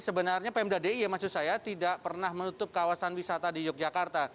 sebenarnya pemdadi ya maksud saya tidak pernah menutup kawasan wisata di yogyakarta